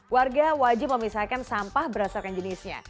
warga wajib memisahkan sampah berdasarkan jenisnya